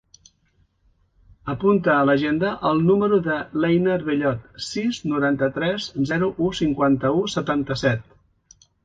Apunta a l'agenda el número de l'Einar Bellot: sis, noranta-tres, zero, u, cinquanta-u, setanta-set.